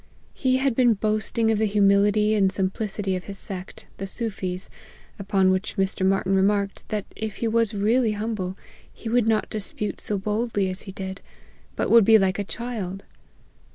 He had been boasting of the humility and simplicity of his sect, the Soofies ; upon which Mr. Marty n remarked, that if he was really humble, he would not dispute so boldly as he did, but would be like a child.